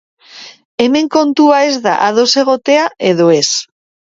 Hemen kontua ez da ados egotea edo ez.